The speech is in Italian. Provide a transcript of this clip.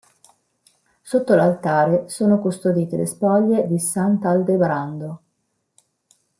Sotto l'altare sono custodite le spoglie di sant'Aldebrando.